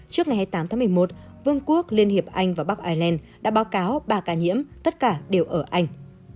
trước ngày hai mươi tám tháng một mươi một vương quốc liên hiệp anh và bắc ireland đã báo cáo ba ca nhiễm tất cả đều ở anh